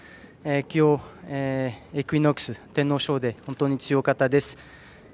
今日、イクイノックス、天皇賞で本当に強かったです。